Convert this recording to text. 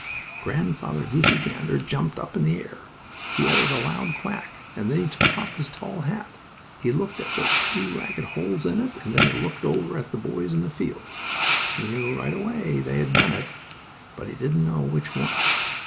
Grandfather Goosey Gander jumped up in the air. He uttered a loud quack, and then he took off his tall hat. He looked at the two ragged holes in it, and then he looked over at the boys in the field. He knew right away they had done it, but he didn't know which one.